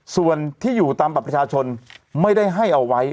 ส่วนที่อยู่ตามบัตรประชาชนไม่ได้ให้เอาไว้